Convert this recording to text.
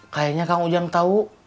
kayaknya kang ujang tau